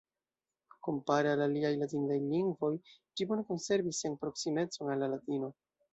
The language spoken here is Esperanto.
Kompare al aliaj latinidaj lingvoj, ĝi bone konservis sian proksimecon al la Latino.